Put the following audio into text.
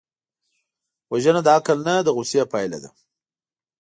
وژنه د عقل نه، د غصې پایله ده